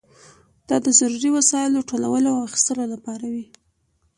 دا د ضروري وسایلو ټولولو او اخیستلو لپاره وه.